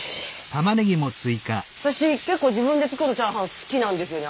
私自分で作るチャーハン好きなんですよね